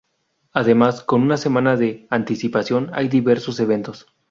Además, con una semana de anticipación hay diversos eventos.